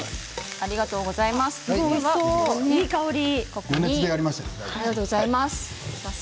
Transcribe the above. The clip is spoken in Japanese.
ありがとうございます。